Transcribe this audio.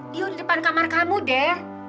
yaudah depan kamar kamu den